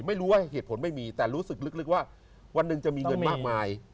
ไม่รู้ว่าเหตุผลไม่มีแต่รู้สึกลึกว่าวันหนึ่งจะมีเงินมากมาย